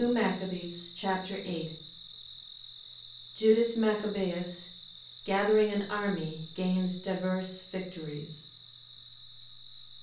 2 Machabees Chapter 8 Judas Machabeus gathering an army gains divers victories.